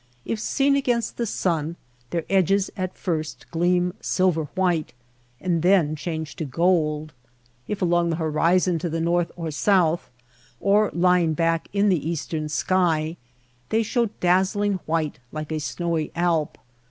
If seen against the sun their edges at first gleam silver white and then change to gold; if along the horizon to the north or south, or lying back in the eastern sky, they show dazzling white like a snowy Alp.